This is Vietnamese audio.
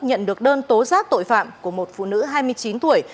nhận được đơn tố giác tội phạm của một phụ nữ hai mươi chín tuổi